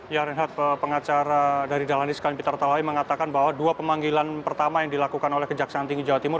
ya reinhardt pengacara dari dalan iskan pitar tawai mengatakan bahwa dua pemanggilan pertama yang dilakukan oleh kejaksaan tinggi jawa timur